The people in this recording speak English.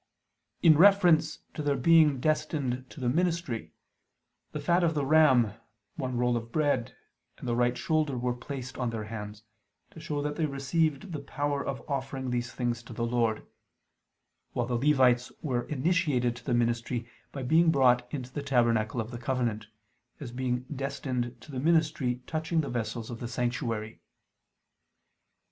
In reference to their being destined to the ministry, the fat of the ram, one roll of bread, and the right shoulder were placed on their hands, to show that they received the power of offering these things to the Lord: while the Levites were initiated to the ministry by being brought into the tabernacle of the covenant, as being destined to the ministry touching the vessels of the sanctuary.